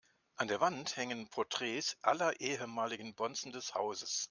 An der Wand hängen Porträts aller ehemaligen Bonzen des Hauses.